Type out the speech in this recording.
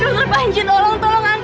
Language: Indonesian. yang terakhiri p organik brainie